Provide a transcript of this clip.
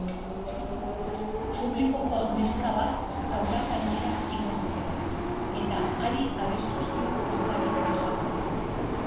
Publikoko neska bat taula gainera igo dute eta hari abestu zion kantari irlandarrak.